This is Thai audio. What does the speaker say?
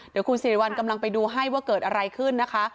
เดี๋ยวคุณสิริวัลกำลังไปดูให้ว่าเกิดอะไรขึ้นนะคะ